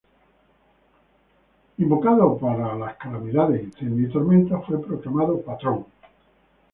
Invocado para las calamidades, incendios y tormentas, fue proclamado patrón.